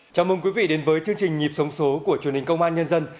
chào mừng quý vị đến với chương trình nhịp sống số của truyền hình công an nhân dân